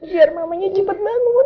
biar mamanya cepet bangun